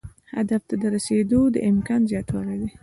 هدف ته د رسیدو د امکان زیاتوالی دی.